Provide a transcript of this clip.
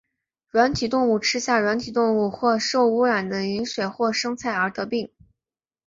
软体动物吃下软体动物或受污染的饮水或生菜而得病。